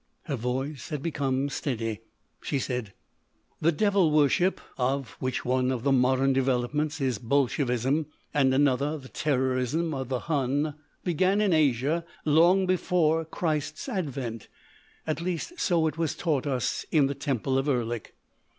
Her voice had become steady. She said: "The devil worship, of which one of the modern developments is Bolshevism, and another the terrorism of the hun, began in Asia long before Christ's advent: At least so it was taught us in the temple of Erlik.